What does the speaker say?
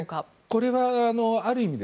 これはある意味